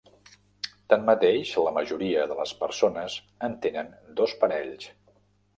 Tanmateix la majoria de les persones en tenen dos parells.